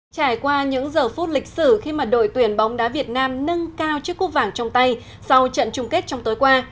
trải qua những giờ phút lịch sử khi mà đội tuyển bóng đá việt nam nâng cao chiếc cúp vàng trong tay sau trận chung kết trong tối qua